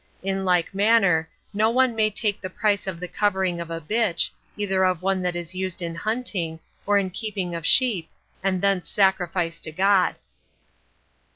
In like manner no one may take the price of the covering of a bitch, either of one that is used in hunting, or in keeping of sheep, and thence sacrifice to God.